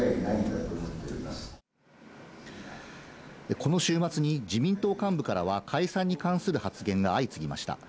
この週末に自民党幹部からは解散に関する発言が相次ぎました。